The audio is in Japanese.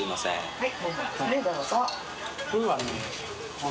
はい。